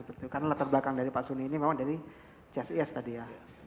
karena latar belakang dari pak suni ini memang dari csis tadi ya